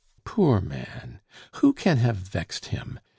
"Poor man! who can have vexed him?